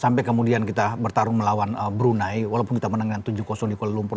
sampai kemudian kita bertarung melawan brunei walaupun kita menangkan tujuh di kuala lumpur